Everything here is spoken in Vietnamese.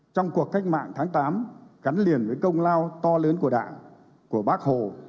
trong cuộc cách mạng tháng tám gắn liền với công lao to lớn của đảng của bác hồ